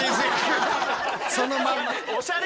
そのまんま。